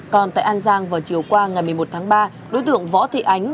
còn tại an giang vào chiều qua ngày một mươi một tháng ba đối tượng võ thị ánh